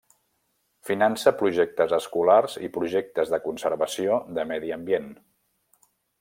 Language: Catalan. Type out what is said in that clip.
Finança projectes escolars i projectes de conservació de medi ambient.